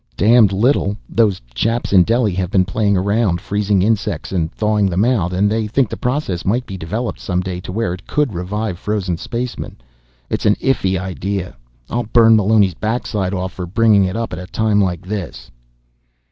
"Damned little. Those chaps in Delhi have been playing around freezing insects and thawing them out, and they think the process might be developed someday to where it could revive frozen spacemen. It's an iffy idea. I'll burn Meloni's backside off for bringing it up at a time like this."